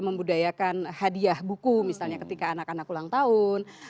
membudayakan hadiah buku misalnya ketika anak anak ulang tahun